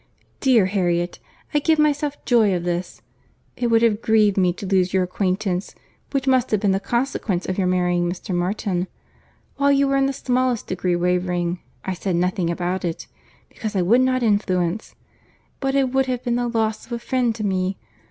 Dear Harriet, I give myself joy of this. It would have grieved me to lose your acquaintance, which must have been the consequence of your marrying Mr. Martin. While you were in the smallest degree wavering, I said nothing about it, because I would not influence; but it would have been the loss of a friend to me.